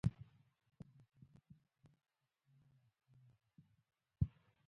د خبرو خیال ساتل مهم دي